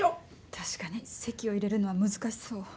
確かに籍を入れるのは難しそう。